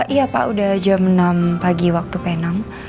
iya pak udah jam enam pagi waktu penang